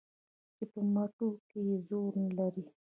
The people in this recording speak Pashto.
چې په مټو کې زور لري